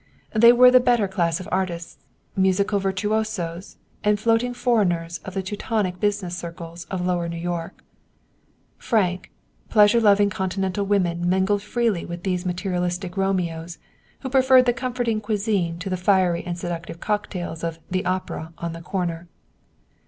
They were the better class of artists musical virtuosos, and floating foreigners of the Teutonic business circles of lower New York. Frank, pleasure loving continental women mingled freely with these materialistic Romeos, who preferred the comforting cuisine to the fiery and seductive cocktails of "The Opera" on the corner.